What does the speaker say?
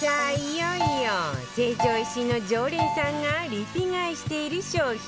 いよいよ成城石井の常連さんがリピ買いしている商品